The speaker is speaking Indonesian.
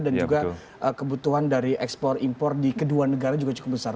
dan juga kebutuhan dari ekspor impor di kedua negara juga cukup besar